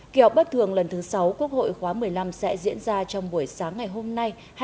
kỳ họp bất thường lần thứ sáu quốc hội khóa một mươi năm sẽ diễn ra trong buổi sáng ngày hôm nay